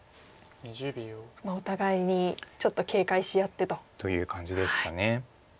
お互いにちょっと警戒し合ってと。という感じですか。